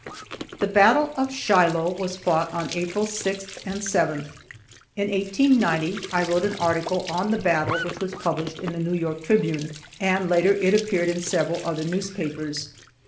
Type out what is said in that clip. The battle of Shiloh was fought on April 6 and 7. In 1890 I wrote an article on the battle which was published in the New York Tribune, and later it appeared in several other newspapers.